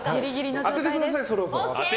当ててくださいよ、そろそろ。